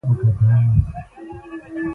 زه د تاریخي نقشو مطالعه خوښوم.